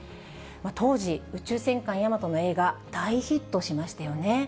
当時、宇宙戦艦ヤマトの映画、大ヒットしましたよね。